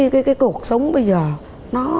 cái cuộc sống bây giờ